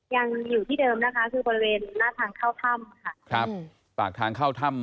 ยังอยู่ที่เดิมนะคะคือบริเวณหน้าทางเข้าถ้ำค่ะ